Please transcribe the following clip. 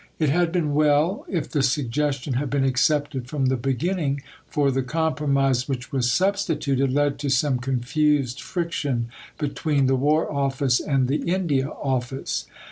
It had been well if the suggestion had been accepted from the beginning, for the compromise which was substituted led to some confused friction between the War Office and the India Office.